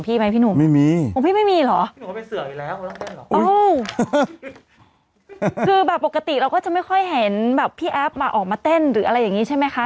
คือแบบปกติเราก็จะไม่ค่อยเห็นแบบพี่แอฟมาออกมาเต้นหรืออะไรอย่างนี้ใช่ไหมคะ